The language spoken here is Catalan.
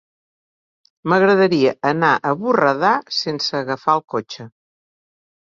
M'agradaria anar a Borredà sense agafar el cotxe.